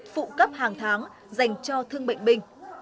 phụ cấp hàng tháng dành cho thương bệnh bình